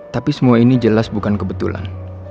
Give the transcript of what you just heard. tapi semua ini jelas bukan kebetulan